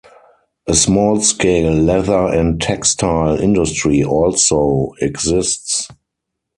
A small-scale leather and textile industry also exists.